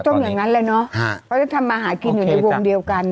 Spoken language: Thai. ก็ต้องเหมือนนั้นเลยนะเขาจะทำมาหากินอยู่ในวงเดียวกัน